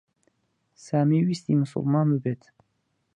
سامی ویستی موسڵمان ببێت.